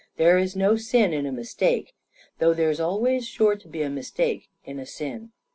There's no sin in a mistake. Though there's always sure to be a mistake in a sin.